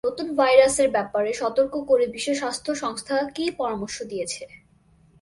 নতুন ভাইরাসের ব্যাপারে সতর্ক করে বিশ্ব স্বাস্থ্য সংস্থা কি পরামর্শ দিয়েছে?